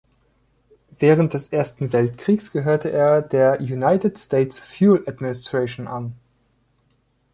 Während des Ersten Weltkrieges gehörte er der "United States Fuel Administration" an.